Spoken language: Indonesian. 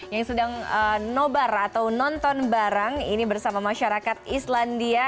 yang sedang nobar atau nonton bareng ini bersama masyarakat islandia